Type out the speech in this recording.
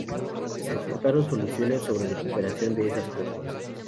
se aportaron soluciones sobre recuperación de esas costas